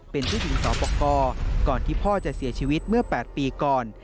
เป็นที่ถึงสาวปกกก่อนที่พ่อจะเสียชีวิตเมื่อ๘ปีก่อน